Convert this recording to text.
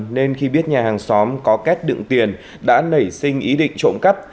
nên khi biết nhà hàng xóm có kết đựng tiền đã nảy sinh ý định trộm cắp